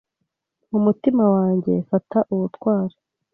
Mumutima wanjye fata ubutwari